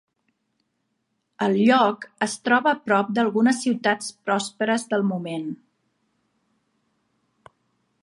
El lloc es troba a prop d'algunes ciutats pròsperes del moment.